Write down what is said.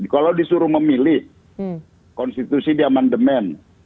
kalau disuruh memilih konstitusi di amandemen